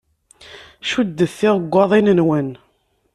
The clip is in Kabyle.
Cuddet tiɣggaḍin-nwen.